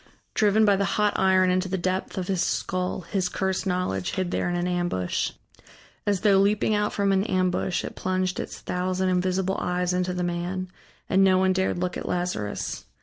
Driven by the hot iron into the depth of his skull, his cursed knowledge hid there in an ambush. As though leaping out from an ambush it plunged its thousand invisible eyes into the man, and no one dared look at Lazarus.